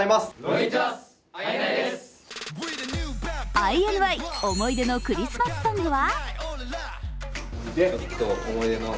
ＩＮＩ、思い出のクリスマスソングは？